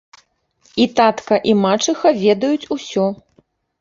І татка і мачыха ведаюць усё.